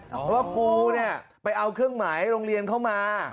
เพราะว่ากูเนี่ยไปเอาเครื่องหมายโรงเรียนเข้ามา